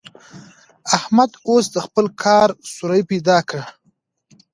احمد اوس د خپل کار سوری پيدا کړ.